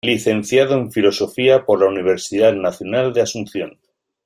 Licenciado en Filosofía por la Universidad Nacional de Asunción.